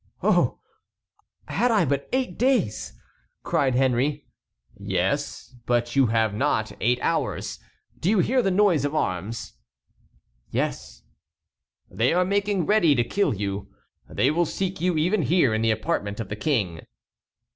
"Oh! had I but eight days!" cried Henry. "Yes, but you have not eight hours. Did you hear the noise of arms?" "Yes." "They are making ready to kill you. They will seek you even here in the apartment of the King."